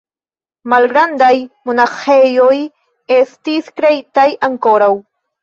Malgrandaj monaĥejoj estis kreitaj ankoraŭ.